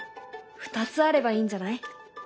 ２つあればいいんじゃない？